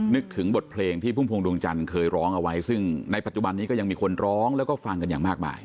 นึกถึงบทเพลงที่พุ่มพวงดวงจันทร์เคยร้องเอาไว้ซึ่งในปัจจุบันนี้ก็ยังมีคนร้องแล้วก็ฟังกันอย่างมากมาย